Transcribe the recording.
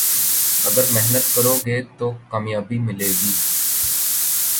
اگر محنت کرو گے تو کامیابی ملے گی